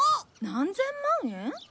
何千万円？